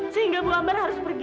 sehingga bu ambar harus pergi